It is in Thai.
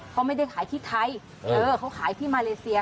เขาไม่ได้ขายที่ไทยเขาขายที่มาเลเซีย